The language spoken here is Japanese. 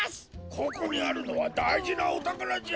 ここにあるのはだいじなおたからじゃ。